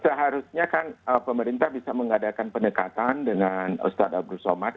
seharusnya kan pemerintah bisa mengadakan pendekatan dengan ustadz abdul somad